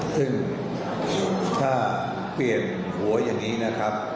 ซึ่งถ้าเปลี่ยนหัวอย่างนี้นะครับ